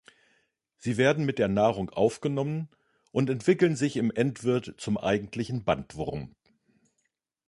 Sie werden mit der Nahrung aufgenommen und entwickeln sich im Endwirt zum eigentlichen Bandwurm.